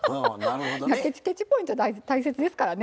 ケチケチ・ポイント大切ですからね。